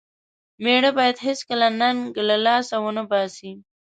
مېړه بايد هيڅکله ننګ له لاسه و نه باسي.